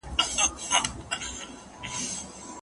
که ښه فکرونه ونه لرې نو کړنې به دې هم سمې نه وي.